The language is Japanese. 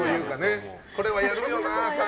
これはやるよなあ。